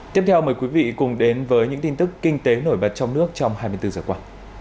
tiếp theo mời quý vị cùng đến với những tin tức kinh tế nổi bật trong nước trong hai mươi bốn giờ qua